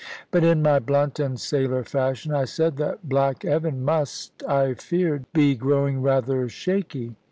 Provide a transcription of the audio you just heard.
But in my blunt and sailor fashion, I said that black Evan must, I feared, be growing rather shaky.